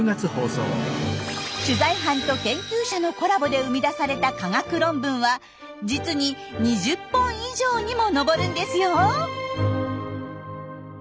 取材班と研究者のコラボで生み出された科学論文は実に２０本以上にも上るんですよ！